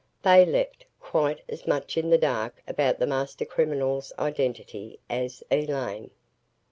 They left, quite as much in the dark about the master criminal's identity as Elaine.